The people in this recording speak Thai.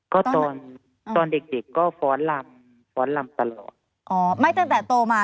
ครับก็ตอนตอนเด็กก็ฟ้อเริ่มฟ้อเริ่มตลอดอ๋อไม่ตั้งแต่โตมา